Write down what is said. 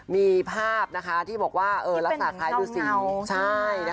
มีภาพที่บอกว่าลักษณ์ภายดูสีที่เป็นเหมือนกล้องเงาใช่ไหม